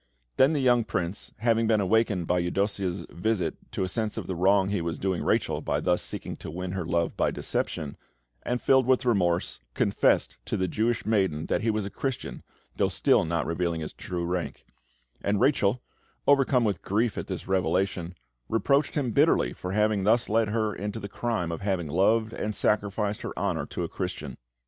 Then the young Prince, having been awakened by Eudossia's visit to a sense of the wrong he was doing Rachel by thus seeking to win her love by deception, and filled with remorse, confessed to the Jewish maiden that he was a Christian, though still not revealing his true rank; and Rachel, overcome with grief at this revelation, reproached him bitterly for having thus led her into the crime of having loved and sacrificed her honour to a Christian.